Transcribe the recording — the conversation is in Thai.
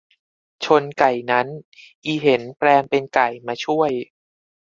ชนไก่นั้นอีเห็นแปลงเป็นไก่มาช่วย